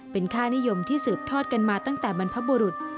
เป็นค่านิยมที่สืบทอดกันมาตั้งแต่บรรพบุรุษ